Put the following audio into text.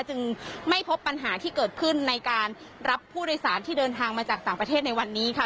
จึงไม่พบปัญหาที่เกิดขึ้นในการรับผู้โดยสารที่เดินทางมาจากต่างประเทศในวันนี้ค่ะ